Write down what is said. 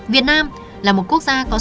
việt nam là một quốc gia có sức phát triển